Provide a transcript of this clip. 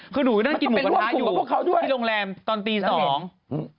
คือหนูก็นั่นกินหมูกระท้อยู่ที่โรงแรมตอนตี๒นมันก็เป็นร่วมขู่กับพวกเขาด้วย